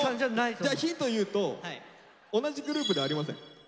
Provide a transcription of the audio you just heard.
ヒント言うと同じグループではありません。